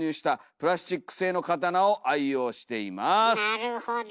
なるほど。